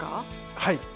はい。